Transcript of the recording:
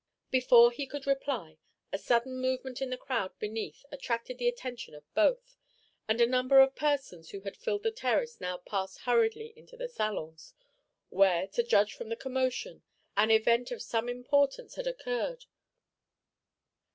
Before he could reply, a sudden movement in the crowd beneath attracted the attention of both, and a number of persons who had filled the terrace now passed hurriedly into the salons, where, to judge from the commotion, an event of some importance had occurred.